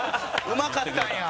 うまかったんや！」